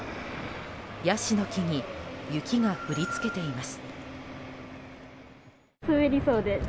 ヤシの木に雪が降りつけています。